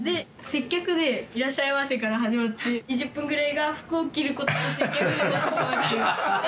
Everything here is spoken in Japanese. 接客で「いらっしゃいませ」から始まって２０分ぐらいが服を着ることで接客になってしまうっていう。